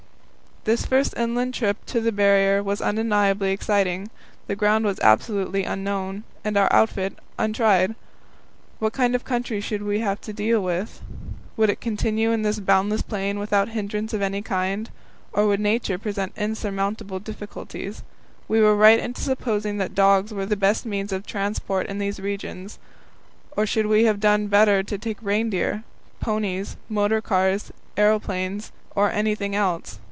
This first inland trip on the Barrier was undeniably exciting. The ground was absolutely unknown, and our outfit untried. What kind of country should we have to deal with? Would it continue in this boundless plain without hindrance of any kind? Or would Nature present insurmountable difficulties? Were we right in supposing that dogs were the best means of transport in these regions, or should we have done better to take reindeer, ponies, motor cars, aeroplanes, or anything else?